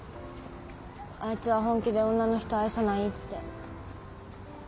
あいつは本気で女の人愛さないって。